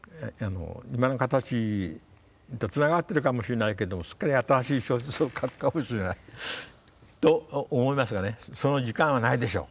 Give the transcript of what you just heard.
今の形とつながってるかもしれないけどすっかり新しい小説を書くかもしれないと思いますがねその時間はないでしょう。